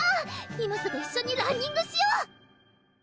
今すぐ一緒にランニングしよう！